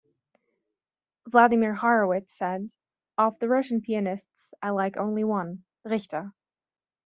Vladimir Horowitz said: Of the Russian pianists, I like only one, Richter.